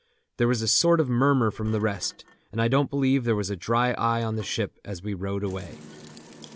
There was a sort of murmur from the rest, and I don't believe there was a dry eye on the ship as we rowed away.